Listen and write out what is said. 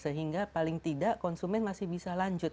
sehingga paling tidak konsumen masih bisa lanjut